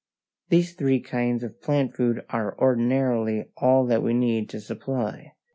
These three kinds of plant food are ordinarily all that we need to supply.